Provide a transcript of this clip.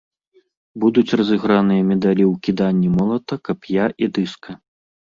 Будуць разыграныя медалі ў кіданні молата, кап'я і дыска.